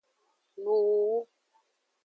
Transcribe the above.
Nuwuwu.